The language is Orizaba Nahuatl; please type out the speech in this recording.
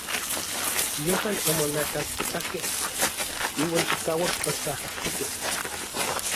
Yejuan omonakastsakkej iuan chikauak otsajtsikej.